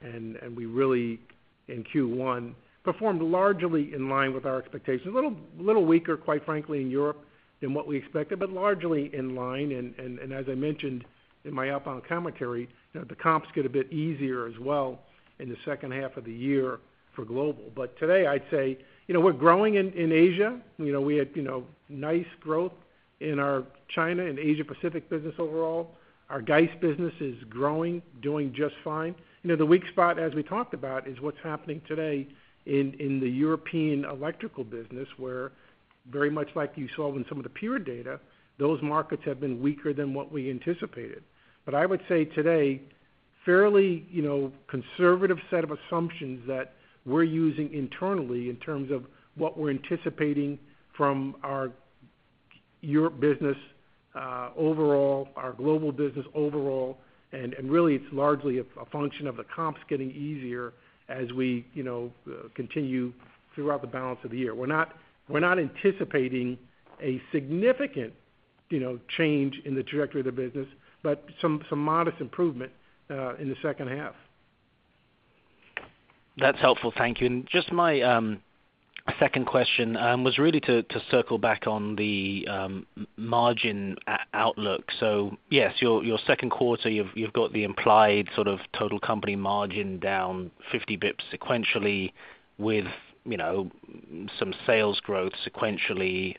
S3: And we really, in Q1, performed largely in line with our expectations. A little weaker, quite frankly, in Europe than what we expected, but largely in line. And as I mentioned in my opening commentary, the comps get a bit easier as well in the second half of the year for global. But today, I'd say, you know, we're growing in Asia. You know, we had, you know, nice growth in our China and Asia Pacific business overall. Our Geist business is growing, doing just fine. You know, the weak spot, as we talked about, is what's happening today in the European electrical business, where very much like you saw in some of the peer data, those markets have been weaker than what we anticipated. But I would say today fairly, you know, conservative set of assumptions that we're using internally in terms of what we're anticipating from our Europe business overall, our global business overall, and really, it's largely a function of the comps getting easier as we, you know, continue throughout the balance of the year. We're not anticipating a significant, you know, change in the trajectory of the business, but some modest improvement in the second half.
S8: That's helpful. Thank you. And just my second question was really to circle back on the margin outlook. So yes, your second quarter, you've got the implied sort of total company margin down 50 basis points sequentially with, you know, some sales growth sequentially.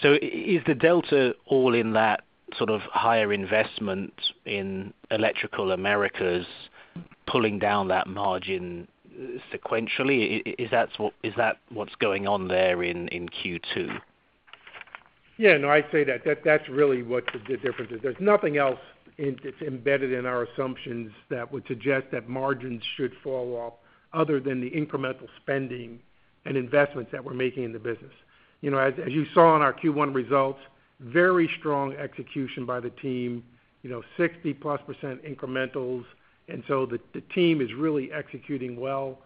S8: So is the delta all in that sort of higher investment in Electrical Americas pulling down that margin sequentially? Is that what, is that what's going on there in Q2?
S3: Yeah, no, I'd say that, that's really what the, the difference is. There's nothing else in, that's embedded in our assumptions that would suggest that margins should fall off other than the incremental spending and investments that we're making in the business. You know, as, as you saw in our Q1 results, very strong execution by the team, you know, 60+% incrementals, and so the, the team is really executing well.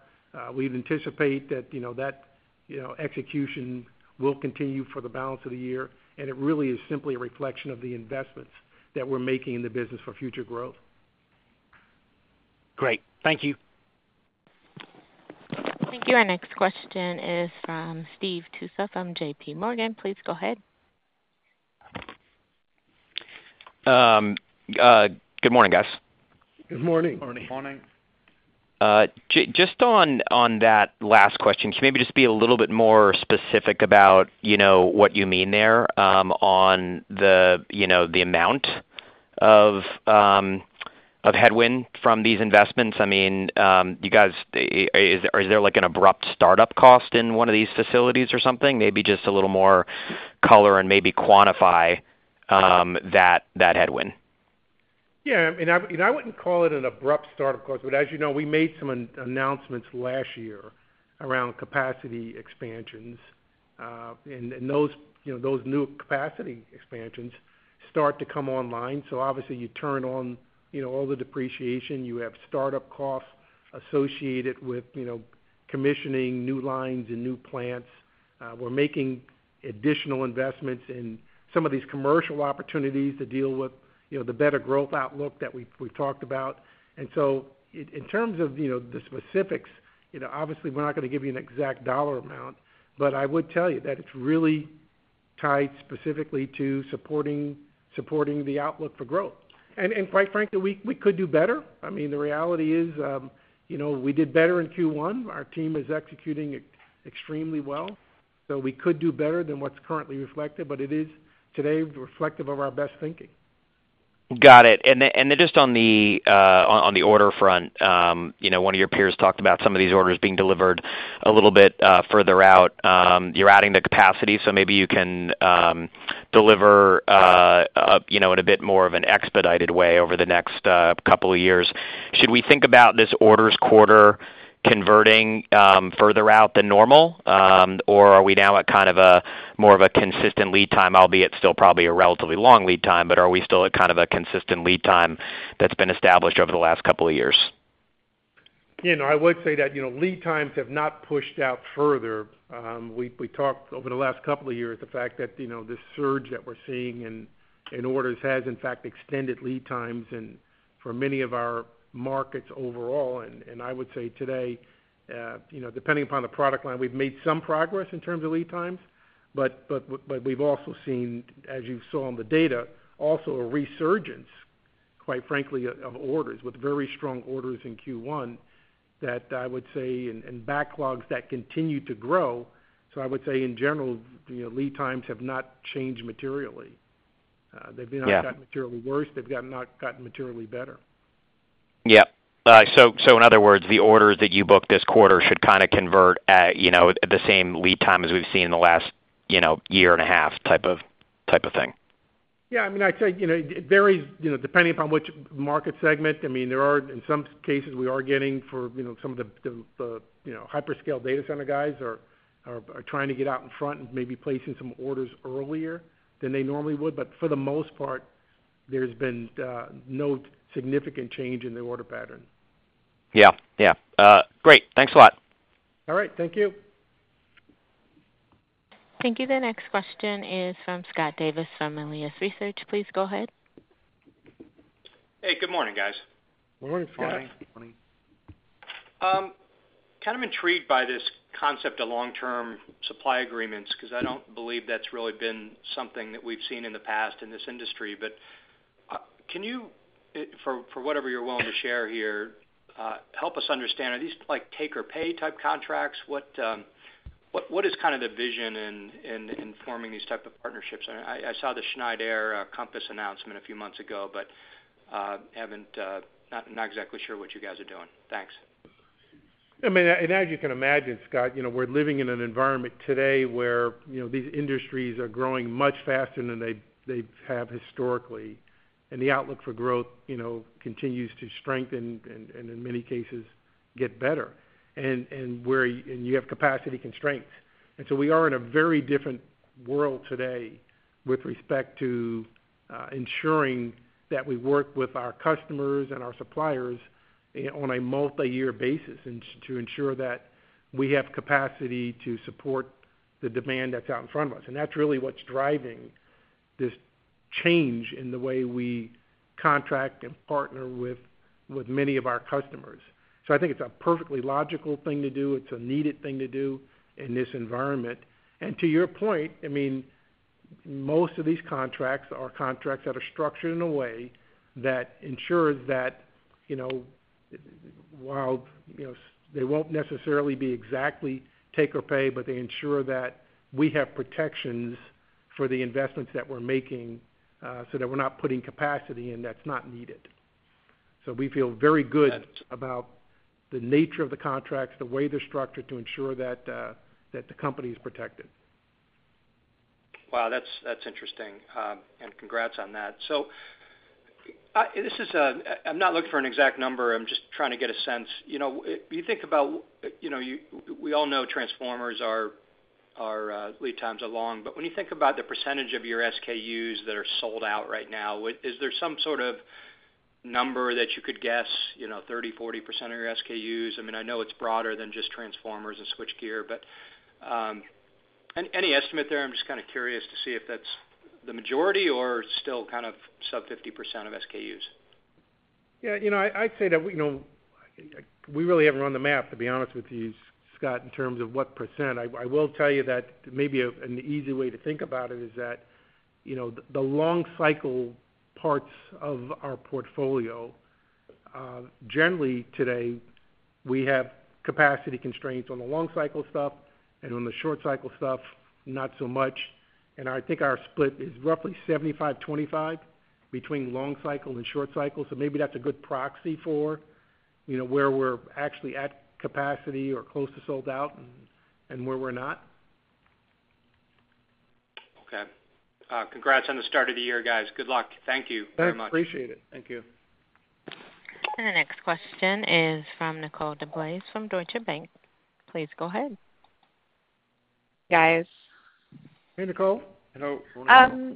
S3: We anticipate that, you know, that, you know, execution will continue for the balance of the year, and it really is simply a reflection of the investments that we're making in the business for future growth.
S8: Great. Thank you.
S1: Thank you. Our next question is from Steve Tusa from JPMorgan. Please go ahead.
S9: Good morning, guys.
S3: Good morning.
S2: Good morning.
S4: Good morning.
S9: Just on that last question, can you maybe just be a little bit more specific about, you know, what you mean there, on the, you know, the amount of headwind from these investments? I mean, you guys, is there, like, an abrupt start-up cost in one of these facilities or something? Maybe just a little more color and maybe quantify that headwind.
S3: Yeah, and I wouldn't call it an abrupt start-up cost, but as you know, we made some announcements last year around capacity expansions. And those, you know, those new capacity expansions start to come online, so obviously, you turn on, you know, all the depreciation, you have start-up costs associated with, you know, commissioning new lines and new plants. We're making additional investments in some of these commercial opportunities to deal with, you know, the better growth outlook that we've talked about. And so in terms of, you know, the specifics, you know, obviously, we're not gonna give you an exact dollar amount, but I would tell you that it's really tied specifically to supporting the outlook for growth. And quite frankly, we could do better. I mean, the reality is, you know, we did better in Q1. Our team is executing extremely well, so we could do better than what's currently reflected, but it is today reflective of our best thinking.
S9: Got it. And then, and then just on the, on, on the order front, you know, one of your peers talked about some of these orders being delivered a little bit further out. You're adding the capacity, so maybe you can deliver, you know, in a bit more of an expedited way over the next couple of years. Should we think about this orders quarter converting further out than normal? Or are we now at kind of a more of a consistent lead time, albeit still probably a relatively long lead time, but are we still at kind of a consistent lead time that's been established over the last couple of years?
S3: You know, I would say that, you know, lead times have not pushed out further. We talked over the last couple of years, the fact that, you know, this surge that we're seeing in orders has, in fact, extended lead times and for many of our markets overall. And I would say today, you know, depending upon the product line, we've made some progress in terms of lead times, but we've also seen, as you saw in the data, also a resurgence, quite frankly, of orders, with very strong orders in Q1, that I would say, and backlogs that continue to grow. So I would say, in general, you know, lead times have not changed materially. They've-
S9: Yeah...
S3: not gotten materially worse. They've not gotten materially better.
S9: Yeah. So in other words, the orders that you booked this quarter should kinda convert at, you know, at the same lead time as we've seen in the last, you know, year-and-a-half type of thing?
S3: Yeah, I mean, I'd say, you know, it varies, you know, depending upon which market segment. I mean, in some cases, we are getting for, you know, some of the hyperscale data center guys are trying to get out in front and maybe placing some orders earlier than they normally would. But for the most part, there's been no significant change in the order pattern.
S9: Yeah, yeah. Great. Thanks a lot.
S3: All right. Thank you.
S1: Thank you. The next question is from Scott Davis, from Melius Research. Please go ahead.
S10: Hey, good morning, guys.
S3: Good morning, Scott.
S9: Morning.
S10: Kind of intrigued by this concept of long-term supply agreements, 'cause I don't believe that's really been something that we've seen in the past in this industry. But can you, for whatever you're willing to share here, help us understand, are these, like, take-or-pay type contracts? What is kind of the vision in forming these type of partnerships? I saw the Schneider Compass announcement a few months ago, but, haven't, not exactly sure what you guys are doing. Thanks.
S3: I mean, and as you can imagine, Scott, you know, we're living in an environment today where, you know, these industries are growing much faster than they, they have historically, and the outlook for growth, you know, continues to strengthen and, in many cases, get better, and you have capacity constraints. So we are in a very different world today with respect to ensuring that we work with our customers and our suppliers on a multi-year basis, and to ensure that we have capacity to support the demand that's out in front of us. And that's really what's driving this change in the way we contract and partner with many of our customers. So I think it's a perfectly logical thing to do. It's a needed thing to do in this environment. To your point, I mean, most of these contracts are contracts that are structured in a way that ensures that, you know, while, you know, they won't necessarily be exactly take or pay, but they ensure that we have protections for the investments that we're making, so that we're not putting capacity in that's not needed. So we feel very good.
S10: Got it...
S3: about the nature of the contracts, the way they're structured to ensure that, that the company is protected.
S10: Wow, that's, that's interesting, and congrats on that. So, I'm not looking for an exact number. I'm just trying to get a sense. You know, you think about, you know, we all know transformers are lead times are long, but when you think about the percentage of your SKUs that are sold out right now, is there some sort of number that you could guess, you know, 30, 40% of your SKUs? I mean, I know it's broader than just transformers and switchgear, but any estimate there? I'm just kind of curious to see if that's the majority or still kind of sub 50% of SKUs.
S3: Yeah, you know, I'd say that we, you know, we really haven't run the math, to be honest with you, Scott, in terms of what percent. I will tell you that maybe an easy way to think about it is that, you know, the long cycle parts of our portfolio, generally today, we have capacity constraints on the long cycle stuff and on the short cycle stuff, not so much. I think our split is roughly 75, 25 between long cycle and short cycle. So maybe that's a good proxy for, you know, where we're actually at capacity or close to sold out and where we're not.
S10: Okay. Congrats on the start of the year, guys. Good luck. Thank you very much.
S3: Appreciate it. Thank you.
S1: The next question is from Nicole DeBlase, from Deutsche Bank. Please go ahead.
S11: Guys.
S3: Hey, Nicole.
S9: Hello.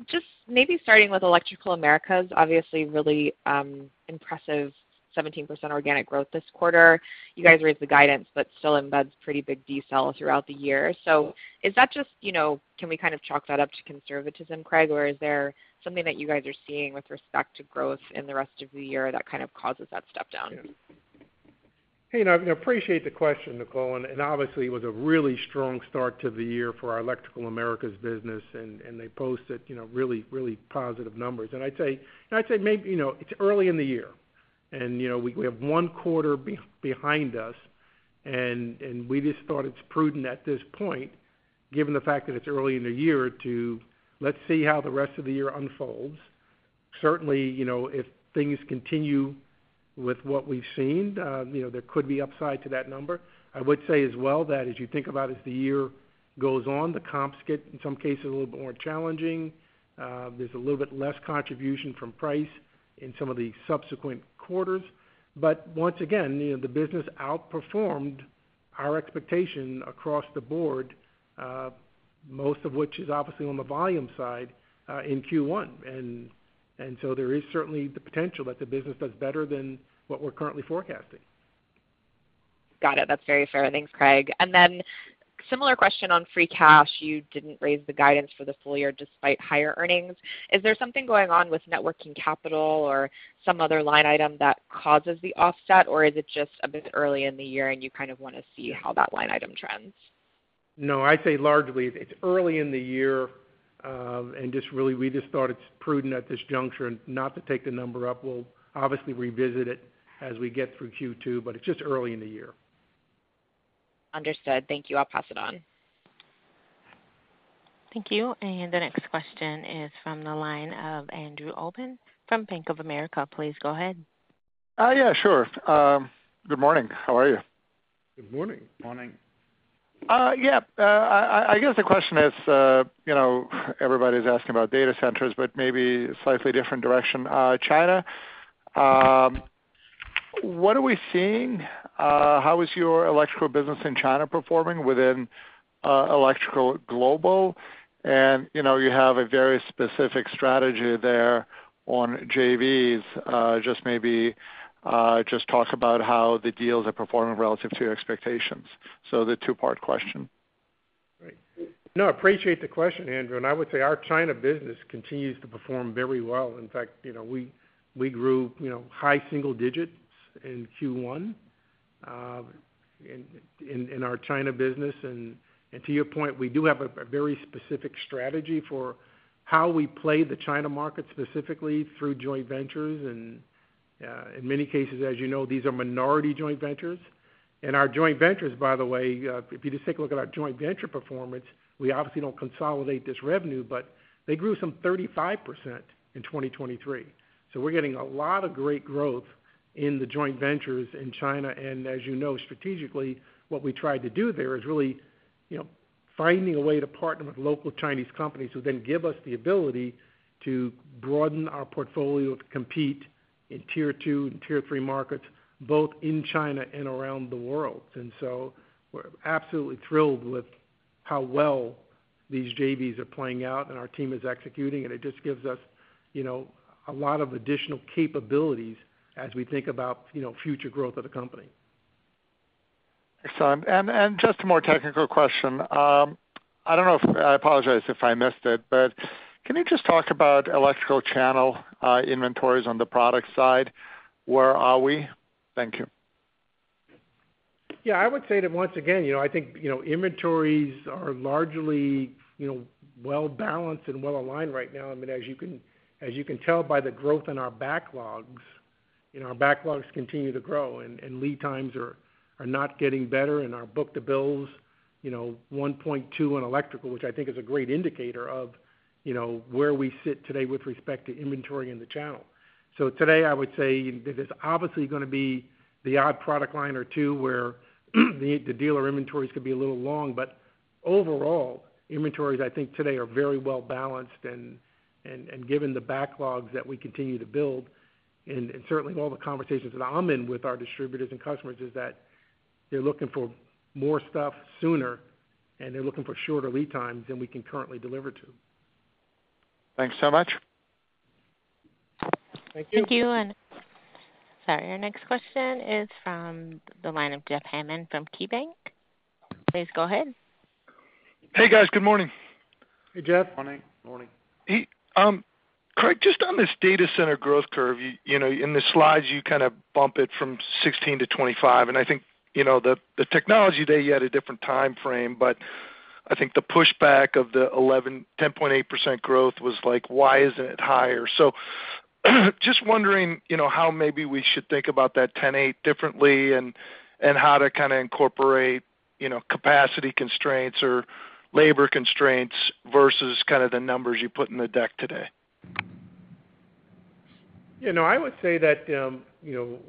S11: Just maybe starting with Electrical Americas, obviously, really impressive 17% organic growth this quarter. You guys raised the guidance, but still embeds pretty big decel throughout the year. So is that just, you know, can we kind of chalk that up to conservatism, Craig, or is there something that you guys are seeing with respect to growth in the rest of the year that kind of causes that step down?
S3: Hey, you know, I appreciate the question, Nicole, and, and obviously, it was a really strong start to the year for our Electrical Americas business, and, and they posted, you know, really, really positive numbers. And I'd say, I'd say maybe, you know, it's early in the year and, you know, we, we have one quarter behind us, and, and we just thought it's prudent at this point, given the fact that it's early in the year, to let's see how the rest of the year unfolds. Certainly, you know, if things continue with what we've seen, you know, there could be upside to that number. I would say as well, that as you think about as the year goes on, the comps get, in some cases, a little bit more challenging. There's a little bit less contribution from price in some of the subsequent quarters. But once again, you know, the business outperformed our expectation across the board, most of which is obviously on the volume side, in Q1. And so there is certainly the potential that the business does better than what we're currently forecasting.
S11: Got it. That's very fair. Thanks, Craig. And then similar question on free cash. You didn't raise the guidance for the full year despite higher earnings. Is there something going on with working capital or some other line item that causes the offset, or is it just a bit early in the year, and you kind of wanna see how that line item trends?
S3: No, I'd say largely, it's early in the year, and just really, we just thought it's prudent at this juncture not to take the number up. We'll obviously revisit it as we get through Q2, but it's just early in the year.
S11: Understood. Thank you. I'll pass it on.
S1: Thank you. And the next question is from the line of Andrew Obin from Bank of America. Please go ahead.
S12: Yeah, sure. Good morning. How are you?
S3: Good morning.
S11: Morning.
S12: Yeah, I guess the question is, you know, everybody's asking about data centers, but maybe slightly different direction. China, what are we seeing? How is your electrical business in China performing within electrical global? And, you know, you have a very specific strategy there on JVs. Just maybe just talk about how the deals are performing relative to your expectations. So the two-part question.
S3: Great. No, I appreciate the question, Andrew, and I would say our China business continues to perform very well. In fact, you know, we grew, you know, high single digits in Q1 in our China business. And to your point, we do have a very specific strategy for how we play the China market, specifically through joint ventures. And in many cases, as you know, these are minority joint ventures. And our joint ventures, by the way, if you just take a look at our joint venture performance, we obviously don't consolidate this revenue, but they grew some 35% in 2023. So we're getting a lot of great growth in the joint ventures in China, and as you know, strategically, what we tried to do there is really, you know, finding a way to partner with local Chinese companies, who then give us the ability to broaden our portfolio, to compete in tier two and tier three markets, both in China and around the world. And so we're absolutely thrilled with how well these JVs are playing out and our team is executing, and it just gives us, you know, a lot of additional capabilities as we think about, you know, future growth of the company.
S12: Excellent. Just a more technical question. I don't know if, I apologize if I missed it, but can you just talk about electrical channel inventories on the product side? Where are we? Thank you.
S3: Yeah, I would say that once again, you know, I think, you know, inventories are largely, you know, well-balanced and well-aligned right now. I mean, as you can, as you can tell by the growth in our backlogs, you know, our backlogs continue to grow, and, and lead times are, are not getting better, and our book-to-bills, you know, 1.2 in electrical, which I think is a great indicator of, you know, where we sit today with respect to inventory in the channel. So today, I would say there's obviously gonna be the odd product line or two where, the, the dealer inventories could be a little long. But overall, inventories, I think today are very well-balanced, and given the backlogs that we continue to build, and certainly all the conversations that I'm in with our distributors and customers, is that they're looking for more stuff sooner, and they're looking for shorter lead times than we can currently deliver to.
S12: Thanks so much.
S3: Thank you.
S1: Thank you. Sorry, our next question is from the line of Jeff Hammond from KeyBanc. Please go ahead.
S13: Hey, guys. Good morning.
S3: Hey, Jeff.
S13: Morning. Morning. Craig, just on this data center growth curve, you know, in the slides, you kind of bump it from 16 to 25, and I think, you know, the technology day, you had a different time frame, but I think the pushback of the ten point eight percent growth was like, why isn't it higher? So, just wondering, you know, how maybe we should think about that ten eight differently, and how to kinda incorporate, you know, capacity constraints or labor constraints versus kind of the numbers you put in the deck today.
S3: You know, I would say that,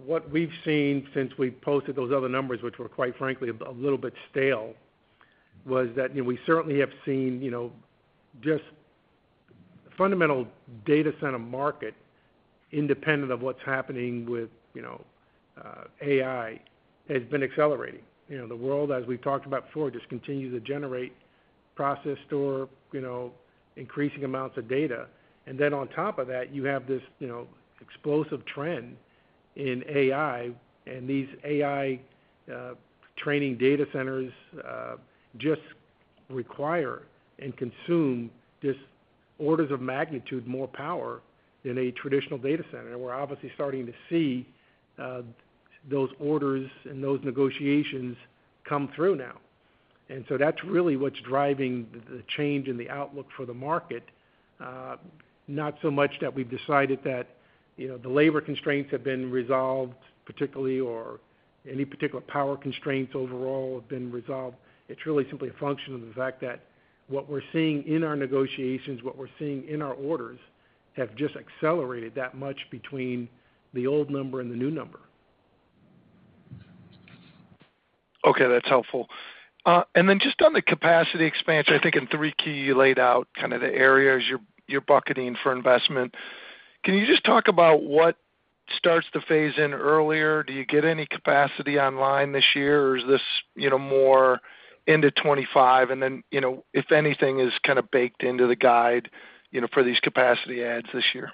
S3: what we've seen since we posted those other numbers, which were, quite frankly, a little bit stale, was that we certainly have seen, you know, just fundamental data center market, independent of what's happening with, you know, AI, has been accelerating. You know, the world, as we've talked about before, just continues to generate, process, store, you know, increasing amounts of data. And then on top of that, you have this, you know, explosive trend in AI, and these AI, training data centers, just require and consume just orders of magnitude, more power than a traditional data center. And we're obviously starting to see, those orders and those negotiations come through now. And so that's really what's driving the, the change in the outlook for the market. Not so much that we've decided that, you know, the labor constraints have been resolved, particularly, or any particular power constraints overall have been resolved. It's really simply a function of the fact that what we're seeing in our negotiations, what we're seeing in our orders, have just accelerated that much between the old number and the new number....
S14: Okay, that's helpful. And then just on the capacity expansion, I think in the three key, you laid out kind of the areas you're bucketing for investment. Can you just talk about what starts to phase in earlier? Do you get any capacity online this year, or is this, you know, more into 2025? And then, you know, if anything is kind of baked into the guide, you know, for these capacity adds this year.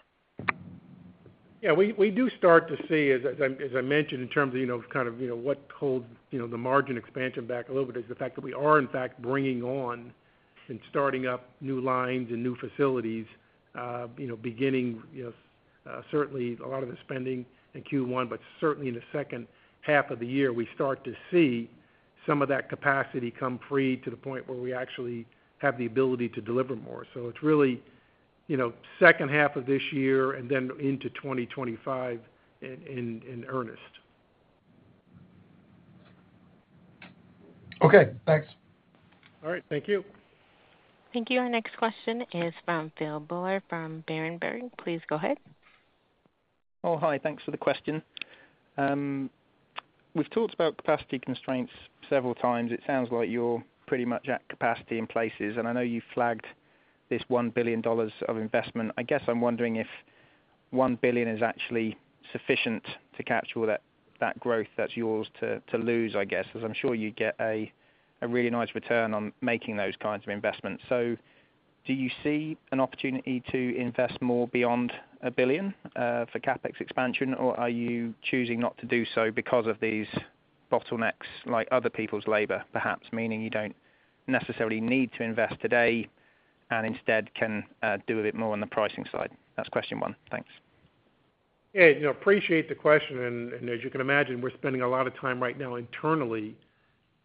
S3: Yeah, we do start to see, as I mentioned, in terms of, you know, kind of, you know, what holds, you know, the margin expansion back a little bit, is the fact that we are in fact bringing on and starting up new lines and new facilities, you know, beginning, you know, certainly a lot of the spending in Q1, but certainly in the second half of the year, we start to see some of that capacity come free to the point where we actually have the ability to deliver more. So it's really, you know, second half of this year and then into 2025 in earnest.
S14: Okay, thanks.
S3: All right, thank you.
S1: Thank you. Our next question is from Phil Buller from Berenberg. Please go ahead.
S15: Oh, hi. Thanks for the question. We've talked about capacity constraints several times. It sounds like you're pretty much at capacity in places, and I know you flagged this $1 billion of investment. I guess I'm wondering if $1 billion is actually sufficient to capture all that, that growth that's yours to, to lose, I guess, as I'm sure you get a, a really nice return on making those kinds of investments. So do you see an opportunity to invest more beyond $1 billion, for CapEx expansion, or are you choosing not to do so because of these bottlenecks, like other people's labor, perhaps, meaning you don't necessarily need to invest today and instead can, do a bit more on the pricing side? That's question one. Thanks.
S3: Yeah, you know, appreciate the question, and, and as you can imagine, we're spending a lot of time right now internally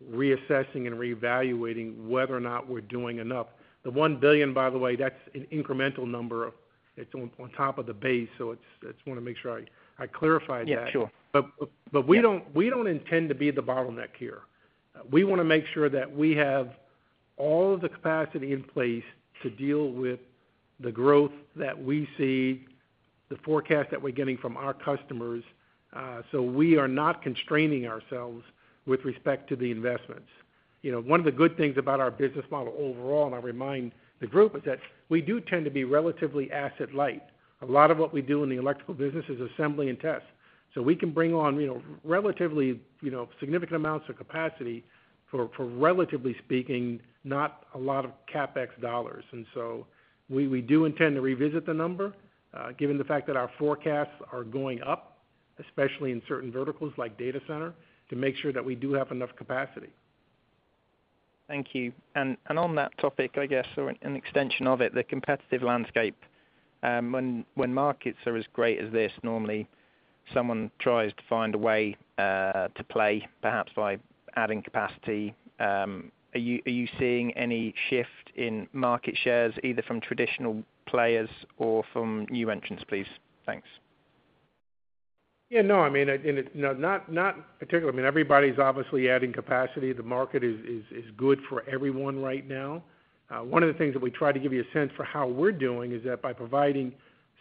S3: reassessing and reevaluating whether or not we're doing enough. The $1 billion, by the way, that's an incremental number. It's on, on top of the base, so it's just wanna make sure I, I clarified that.
S15: Yeah, sure.
S3: But we don't intend to be the bottleneck here. We wanna make sure that we have all of the capacity in place to deal with the growth that we see, the forecast that we're getting from our customers, so we are not constraining ourselves with respect to the investments. You know, one of the good things about our business model overall, and I remind the group, is that we do tend to be relatively asset light. A lot of what we do in the electrical business is assembly and test. So we can bring on, you know, relatively, you know, significant amounts of capacity for relatively speaking, not a lot of CapEx dollars. So we do intend to revisit the number, given the fact that our forecasts are going up, especially in certain verticals like data center, to make sure that we do have enough capacity.
S15: Thank you. And on that topic, I guess, or an extension of it, the competitive landscape. When markets are as great as this, normally someone tries to find a way to play, perhaps by adding capacity. Are you seeing any shift in market shares, either from traditional players or from new entrants, please? Thanks.
S3: Yeah, no, I mean, and it... No, not particularly. I mean, everybody's obviously adding capacity. The market is good for everyone right now. One of the things that we try to give you a sense for how we're doing is that by providing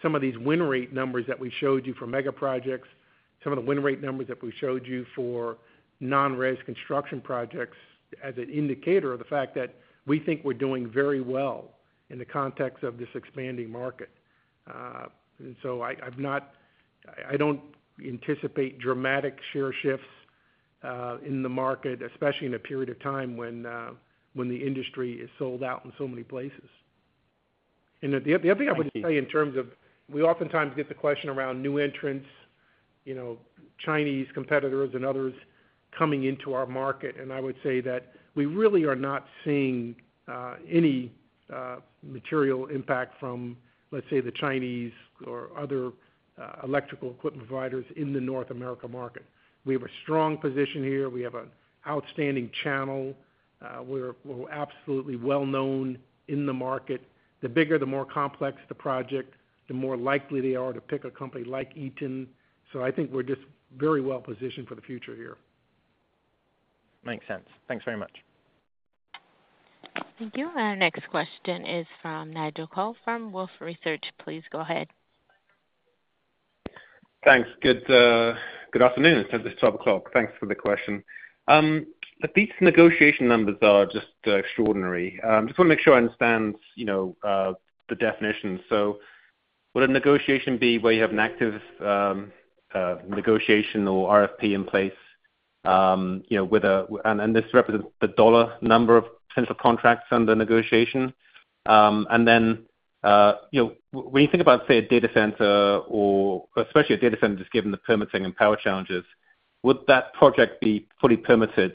S3: some of these win rate numbers that we showed you for mega projects, some of the win rate numbers that we showed you for non-res construction projects, as an indicator of the fact that we think we're doing very well in the context of this expanding market. So I don't anticipate dramatic share shifts in the market, especially in a period of time when the industry is sold out in so many places. And the other thing I would say in terms of, we oftentimes get the question around new entrants, you know, Chinese competitors and others coming into our market, and I would say that we really are not seeing any material impact from, let's say, the Chinese or other electrical equipment providers in the North America market. We have a strong position here. We have an outstanding channel. We're absolutely well known in the market. The bigger, the more complex the project, the more likely they are to pick a company like Eaton. So I think we're just very well positioned for the future here.
S15: Makes sense. Thanks very much.
S1: Thank you. Our next question is from Nigel Coe from Wolfe Research. Please go ahead.
S14: Thanks. Good, good afternoon. It's just 12 o'clock. Thanks for the question. But these negotiation numbers are just extraordinary. Just wanna make sure I understand, you know, the definition. So would a negotiation be where you have an active negotiation or RFP in place, you know, with a... And this represents the dollar number of potential contracts under negotiation? And then, you know, when you think about, say, a data center or especially a data center, just given the permitting and power challenges, would that project be fully permitted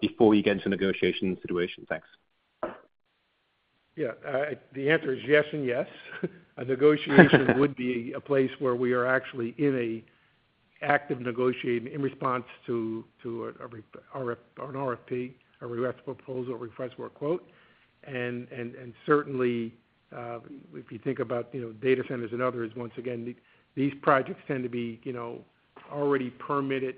S14: before you get into negotiation situation? Thanks.
S3: Yeah. The answer is yes and yes. A negotiation would be a place where we are actually in an active negotiating in response to an RFP, a request for proposal, request for a quote. And certainly, if you think about, you know, data centers and others, once again, these projects tend to be, you know, already permitted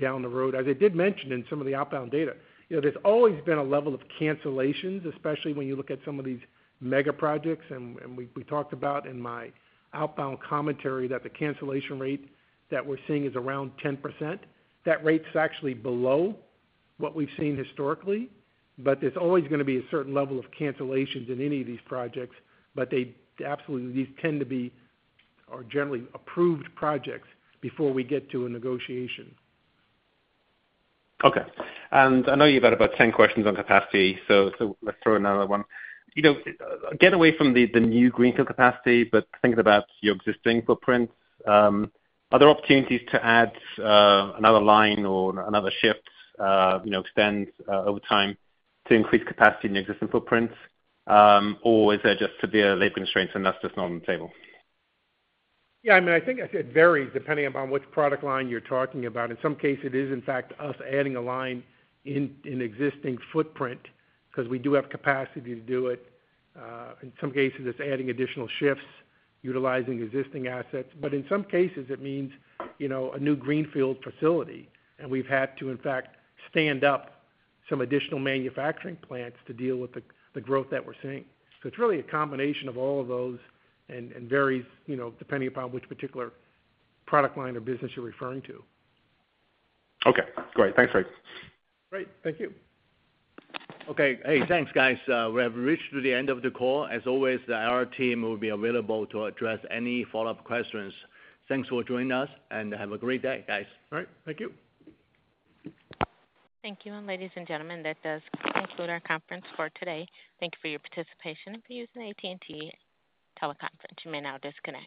S3: down the road. As I did mention in some of the outbound data, you know, there's always been a level of cancellations, especially when you look at some of these mega projects. And we talked about in my outbound commentary, that the cancellation rate that we're seeing is around 10%. That rate's actually below what we've seen historically, but there's always gonna be a certain level of cancellations in any of these projects, but they absolutely, these tend to be, or generally approved projects before we get to a negotiation.
S14: Okay. I know you've had about 10 questions on capacity, so let's throw another one. You know, get away from the new greenfield capacity, but think about your existing footprint. Are there opportunities to add another line or another shift, you know, extend over time to increase capacity in the existing footprint? Or is there just severe labor constraints and that's just not on the table?
S3: Yeah, I mean, I think it varies depending upon which product line you're talking about. In some cases, it is in fact us adding a line in existing footprint, 'cause we do have capacity to do it. In some cases, it's adding additional shifts, utilizing existing assets. But in some cases it means, you know, a new greenfield facility, and we've had to, in fact, stand up some additional manufacturing plants to deal with the growth that we're seeing. So it's really a combination of all of those and varies, you know, depending upon which particular product line or business you're referring to.
S14: Okay, great. Thanks, Craig.
S3: Great. Thank you.
S16: Okay. Hey, thanks, guys. We have reached to the end of the call. As always, our team will be available to address any follow-up questions. Thanks for joining us, and have a great day, guys.
S3: All right, thank you.
S1: Thank you, ladies and gentlemen. That does conclude our conference for today. Thank you for your participation using AT&T teleconference. You may now disconnect.